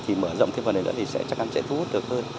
thì mở rộng thêm phần này nữa thì sẽ chắc chắn sẽ thu hút được hơn